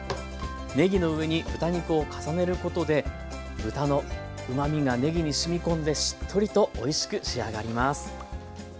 ねぎの上に豚肉を重ねることで豚のうまみがねぎにしみこんでしっとりとおいしく仕上がります。